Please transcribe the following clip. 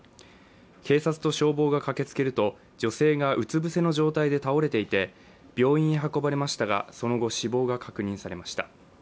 警察と消防が駆けつけると、女性がうつ伏せの状態で倒れていて、病院へ運ばれましたがその後、死亡が確認されました。